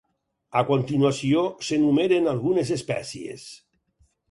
A continuació s'enumeren algunes espècies.